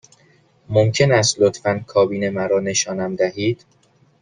ممکن است لطفاً کابین مرا نشانم دهید؟